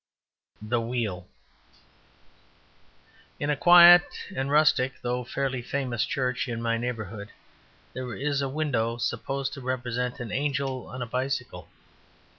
The Wheel In a quiet and rustic though fairly famous church in my neighbourhood there is a window supposed to represent an Angel on a Bicycle.